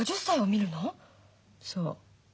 そう。